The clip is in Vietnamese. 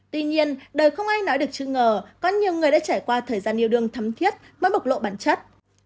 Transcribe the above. tuy nhiên đời không ai nói được chữ ngờ có nhiều người đã trải qua thời gian yêu đương thắm thiết mới bộc lộ bản chất